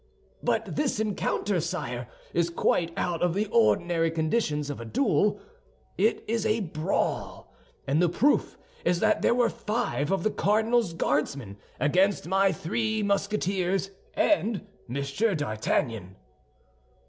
"But this encounter, sire, is quite out of the ordinary conditions of a duel. It is a brawl; and the proof is that there were five of the cardinal's Guardsmen against my three Musketeers and Monsieur d'Artagnan."